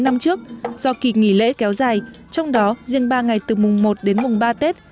năm trước do kỳ nghỉ lễ kéo dài trong đó riêng ba ngày từ mùng một đến mùng ba tết